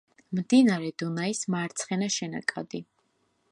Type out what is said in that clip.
მდინარე დუნაის მარცხენა შენაკადი.